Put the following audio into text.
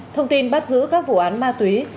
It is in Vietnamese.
thông tin bắt giữ các vụ án ma túy